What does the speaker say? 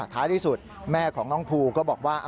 ท้ายที่สุดแม่ของน้องภูก็บอกว่า